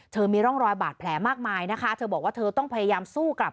มีร่องรอยบาดแผลมากมายนะคะเธอบอกว่าเธอต้องพยายามสู้กลับ